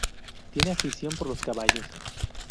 Tiene afición por los caballos.